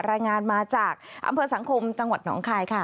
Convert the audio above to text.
รายงานมาจากอำเภอสังคมตนคายค่ะ